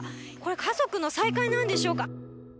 家族の再会なんでしょうか。